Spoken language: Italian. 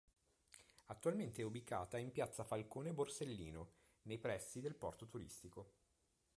Attualmente è ubicata in piazza Falcone Borsellino, nei pressi del porto turistico.